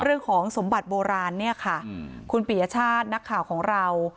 เรื่องของสมบัติโบราณเนี่ยค่ะอืมคุณปิยชาตินักข่าวของเรา